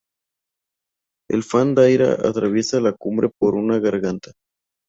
El Fan Darya atraviesa la cumbre por una garganta.